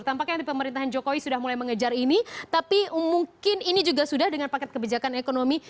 tampaknya nanti pemerintahan jokowi sudah mulai mengejar ini tapi mungkin ini juga sudah dengan paket kebijakan ekonomi